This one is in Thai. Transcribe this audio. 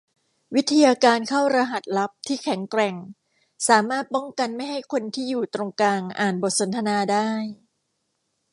วิทยาการเข้ารหัสลับที่แข็งแกร่งสามารถป้องกันไม่ให้คนที่อยู่ตรงกลางอ่านบทสนทนาได้